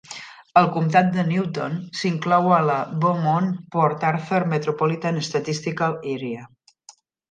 El comtat de Newton s'inclou a la Beaumont-Port Arthur Metropolitan Statistical Area.